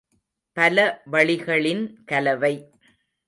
பல வளிகளின் கலவை.